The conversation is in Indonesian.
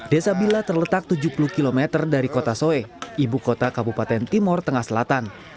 desa bila terletak tujuh puluh km dari kota soe ibu kota kabupaten timur tengah selatan